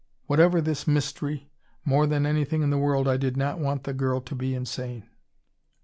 Whatever this mystery, more than anything in the world I did not want the girl to be insane!